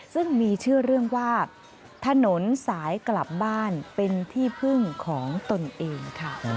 ซึ่งมีชื่อเรื่องว่าถนนสายกลับบ้านเป็นที่พึ่งของตนเองค่ะ